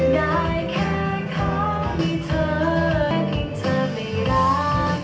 ได้แค่พีชสักตาเท่านั้น